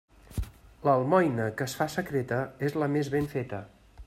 L'almoina que es fa secreta és la més ben feta.